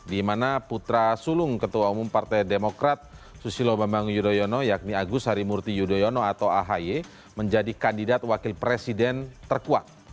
di mana putra sulung ketua umum partai demokrat susilo bambang yudhoyono yakni agus harimurti yudhoyono atau ahy menjadi kandidat wakil presiden terkuat